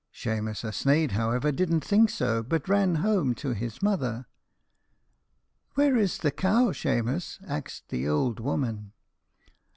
"Shemus a sneidh, however, didn't think so, but ran home to his mother. "'Where is the cow, Shemus?' axed the ould woman.